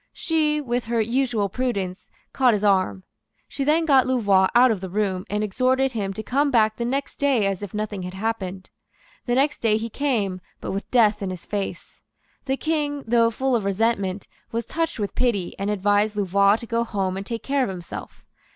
She, with her usual prudence, caught his arm. She then got Louvois out of the room, and exhorted him to come back the next day as if nothing had happened. The next day he came; but with death in his face. The King, though full of resentment, was touched with pity, and advised Louvois to go home and take care of himself.